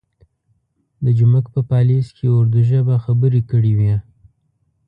د جومک په پالیز کې اردو ژبه خبرې کړې وې.